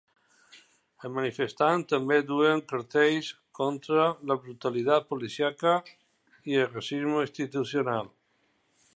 Els manifestants també duien cartells contra la brutalitat policíaca i el racisme institucional.